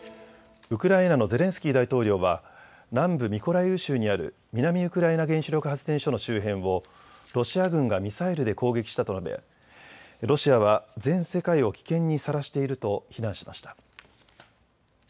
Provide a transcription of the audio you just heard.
ウクライナのゼレンスキー大統領は、南部ミコライウ州にある南ウクライナ原子力発電所の周辺を、ロシア軍がミサイルで攻撃したと述べ、ロシアは全世界を危険にさらしていると非難しました。